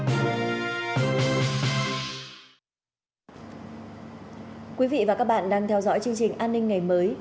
thưa quý vị và các bạn đang theo dõi chương trình an ninh ngày mới